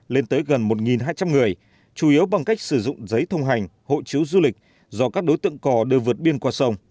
lên tới gần một hai trăm linh người chủ yếu bằng cách sử dụng giấy thông hành hộ chiếu du lịch do các đối tượng cò đưa vượt biên qua sông